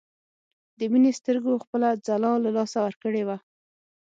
د مينې سترګو خپله ځلا له لاسه ورکړې وه